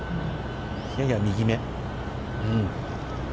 やや右め。